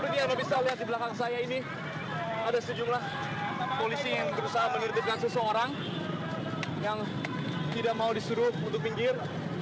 dan seperti yang bisa dilihat di belakang saya ini ada sejumlah polisi yang berusaha meniripkan seseorang yang tidak mau disuruh untuk pinggir